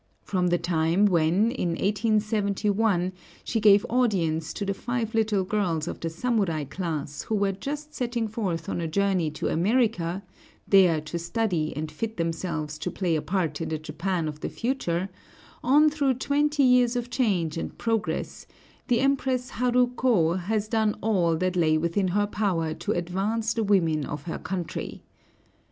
From the time when, in 1871, she gave audience to the five little girls of the samurai class who were just setting forth on a journey to America, there to study and fit themselves to play a part in the Japan of the future, on through twenty years of change and progress, the Empress Haru Ko has done all that lay within her power to advance the women of her country.